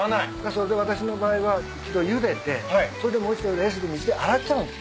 それで私の場合は一度ゆでてそれでもう一度冷水で水で洗っちゃうんです。